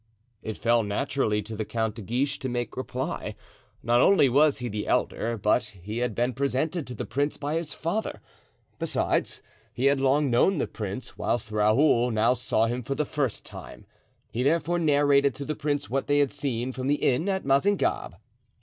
It fell naturally to the Count de Guiche to make reply; not only was he the elder, but he had been presented to the prince by his father. Besides, he had long known the prince, whilst Raoul now saw him for the first time. He therefore narrated to the prince what they had seen from the inn at Mazingarbe.